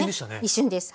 一瞬です。